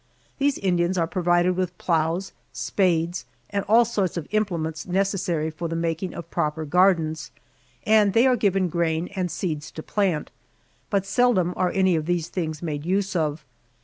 Those Indians are provided with plows, spades, and all sorts of implements necessary for the making of proper gardens, and they are given grain and seeds to plant, but seldom are any of these things made use of.